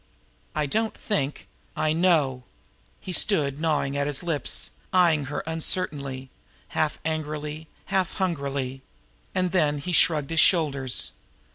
"I don't think I know." He stood gnawing at his lips, eying her uncertainly, half angrily, half hungrily. And then he shrugged his shoulders.